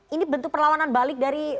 ini bentuk perlawanan balik dari